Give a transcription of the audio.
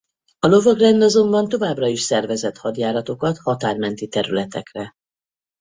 A Lovagrend azonban továbbra is szervezett hadjáratokat határmenti területekre.